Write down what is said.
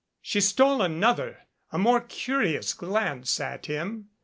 She stole another a more curious glance at him.